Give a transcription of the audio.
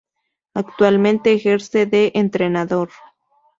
Actualmente ejerce de entrenador.